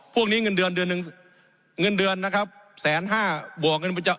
พวกนี้เงินเดือนเดือนหนึ่งเงินเดือนนะครับแสนห้าบวกเงินประจำ